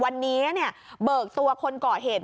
วันนี้เบิกตัวคนก่อเหตุ